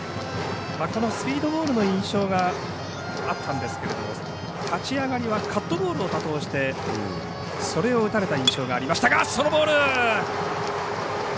スピードボールの印象があったんですけれども立ち上がりはカットボールを多投してそれを打たれた印象がありました。